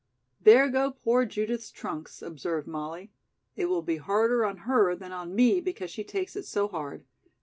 "There go poor Judith's trunks," observed Molly. "It will be harder on her than on me because she takes it so hard.